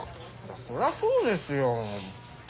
そりゃそうですよ。